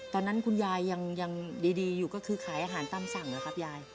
ตอนนั้นคุณยายยังดีอยู่ก็คือขายอาหารตามสั่งนะครับยาย